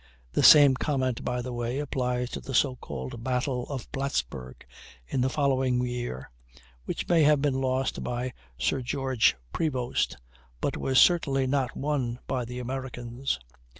The same comment, by the way, applies to the so called "Battle" of Plattsburg, in the following year, which may have been lost by Sir George Prevost, but was certainly not won by the Americans.